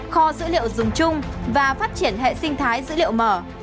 kho dữ liệu dùng chung và phát triển hệ sinh thái dữ liệu mở